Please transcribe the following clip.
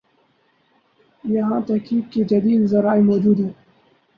یہاںتحقیق کے جدید ذرائع موجود ہیں۔